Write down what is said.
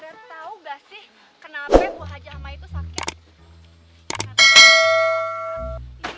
eh pada tau gak sih kenapa bu haji hamai itu sakit